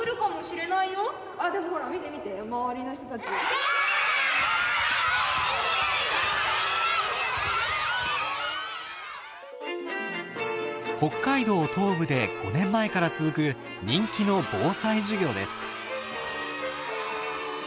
ダ！北海道東部で５年前から続く人気の防災授業です。